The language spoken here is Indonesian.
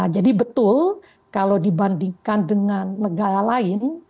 jadi betul kalau dibandingkan dengan negara lain